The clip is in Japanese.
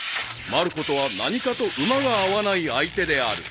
［まる子とは何かと馬が合わない相手である］